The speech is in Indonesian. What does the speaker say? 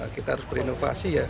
kita harus berinovasi ya